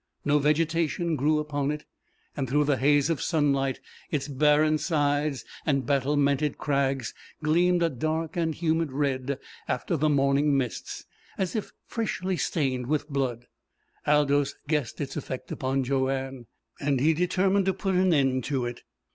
No vegetation grew upon it, and through the haze of sunlight its barren sides and battlemented crags gleamed a dark and humid red after the morning mists, as if freshly stained with blood. Aldous guessed its effect upon Joanne, and he determined to put an end to it.